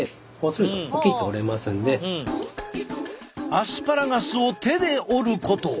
アスパラガスを手で折ること。